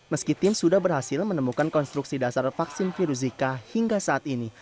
meski tim sudah berhasil menemukan konstruksi dasar vaksin virus zika hingga saat ini